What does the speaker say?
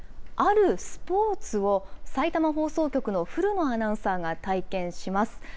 あるスポーツをさいたま放送局の古野アナウンサーが体験します。